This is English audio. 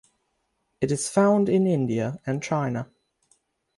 It is found in India and China.